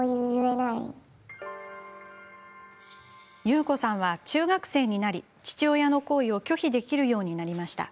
ユウコさんは中学生になり父親の行為を拒否できるようになりました。